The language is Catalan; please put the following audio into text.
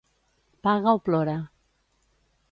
Paga o plora.